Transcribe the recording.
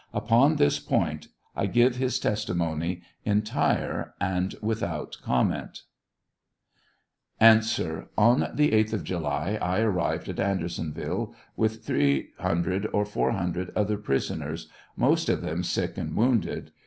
Upon this point I give his testimony entire and without comment. A. On the 8th of July I arrived at Andersonville, with 300 or 400 other prisoners, most of them sick and wounded.